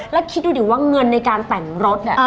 แล้วคิดดูดิว่าเงินในการแต่งรถ